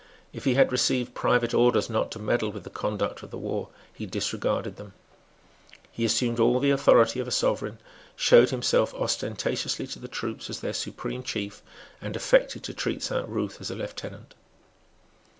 If he had received private orders not to meddle with the conduct of the war, he disregarded them. He assumed all the authority of a sovereign, showed himself ostentatiously to the troops as their supreme chief, and affected to treat Saint Ruth as a lieutenant.